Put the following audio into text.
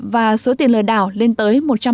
và số tiền lừa đảo lên tới